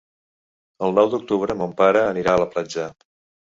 El nou d'octubre mon pare anirà a la platja.